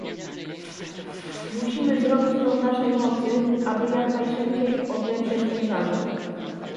Musimy zrobić co w naszej mocy, aby jak najszybciej odeprzeć ten zarzut